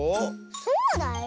そうだよ。